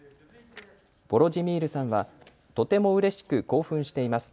ヴォロジミールさんはとてもうれしく興奮しています。